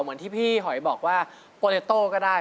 เหมือนที่พี่หอยบอกว่าโปรเลโต้ก็ได้